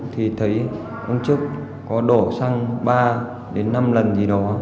thì thấy công chức có đổ xăng ba đến năm lần gì đó